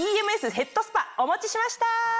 ヘッドスパお持ちしました！